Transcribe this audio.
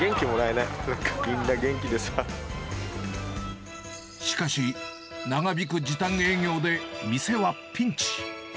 なんか、みんなしかし、長引く時短営業で店はピンチ。